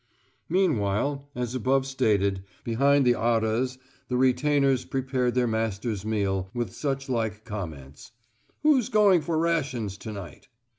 Meanwhile, as above stated, behind the arras the retainers prepared their masters' meal, with such like comments "Who's going for rations to night?"